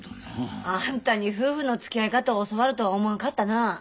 あんたに夫婦のつきあい方を教わるとは思わんかったな。